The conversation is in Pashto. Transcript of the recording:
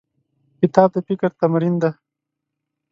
کتاب د فکر تمرین دی.